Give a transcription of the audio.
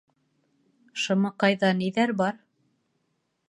- Шымыҡайҙа ниҙәр бар?